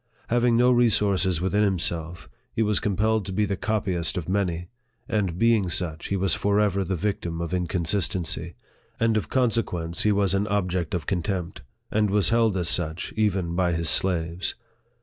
Having no re sources within himself, he was compelled to be the copyist of many, and being such, he was forever the victim of inconsistency ; and of consequence he was an object of contempt, and was held as such even by his slaves.